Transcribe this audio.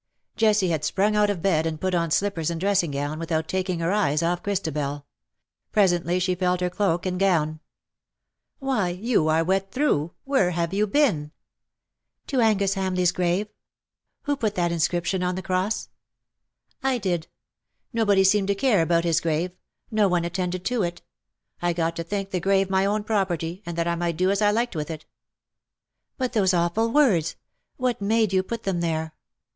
'''' Jessie had sprung out of bed, and put on slippers and dressing gown, without taking her eyes off Christabel. Presently she felt her cloak and gown. '' Why, you are wet through. Where have you been ?"" To Angus HamleigVs grave. Who put that inscription on the cross?'' ^' I did. Nobody seemed to care about his grave — no one attended to it. I got to think the grave my own property, and that I might do as I liked with it." " But those awful words ! What made you put them there